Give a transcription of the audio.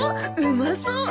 うまそう。